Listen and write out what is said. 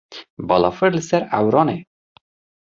Balafir li ser ewran e.